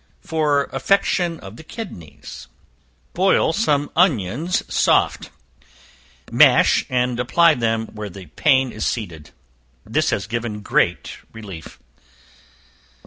For Affection of the Kidneys. Boil some onions soft, mash, and apply them where the pain is seated. This has given great relief.